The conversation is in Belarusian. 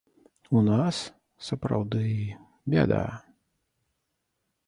У нас, сапраўды, бяда.